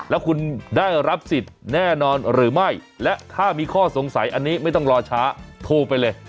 แล้วคุณได้รับสิทธิ์แน่นอนหรือไม่และถ้ามีข้อสงสัยอันนี้ไม่ต้องรอช้าโทรไปเลย